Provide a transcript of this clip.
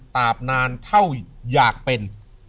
ตาบนานเท่าอยากเป็น